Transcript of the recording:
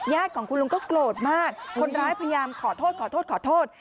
ญาติของคุณลุงก็โกรธมากคนร้ายพยายามขอโทษ